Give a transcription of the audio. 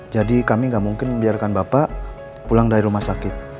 jadi kami gak mungkin biarkan bapak pulang dari rumah sakit